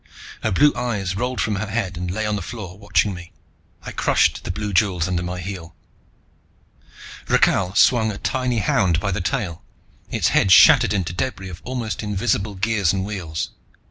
Her blue eyes rolled from her head and lay on the floor watching me. I crushed the blue jewels under my heel. Rakhal swung a tiny hound by the tail. Its head shattered into debris of almost invisible gears and wheels.